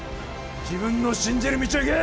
自分の信じる道を行け！